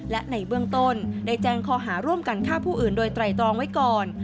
และในเบื้องต้นได้แจ้งข้อหาร่วมกันฆ่าผู้อื่นโดยไตรตรองไว้ก่อน